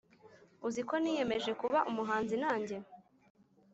uziko niyemeje kuba umuhanzi najye